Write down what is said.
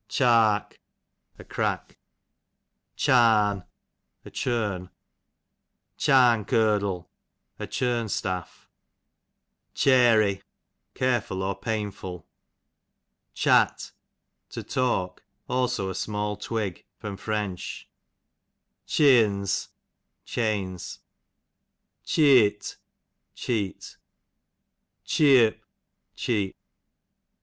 Cliark, a crack. Charn, a churn. Charn curdle, a churn staff. Chary, careful, or painful. Chat, to talk; also a small twig. Fr. Cheeons, chains. Cheeot, cheat. Cheeop, cheap.